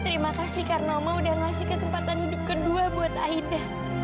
terima kasih karena oma sudah memberi kesempatan hidup kedua untuk aida